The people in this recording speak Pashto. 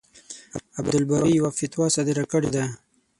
عبدالباري يوه فتوا صادره کړې ده.